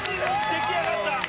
出来上がった。